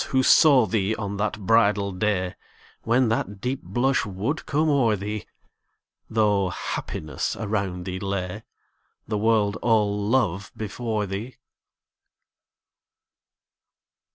Who saw thee on that bridal day, When that deep blush would come o'er thee, Though happiness around thee lay, The world all love before thee.